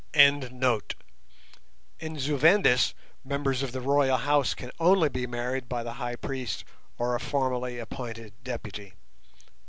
In Zu Vendis members of the Royal House can only be married by the High Priest or a formally appointed deputy.